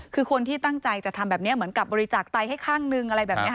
คือคนที่ตั้งใจจะทำแบบนี้เหมือนกับบริจาคไตให้ข้างนึงอะไรแบบนี้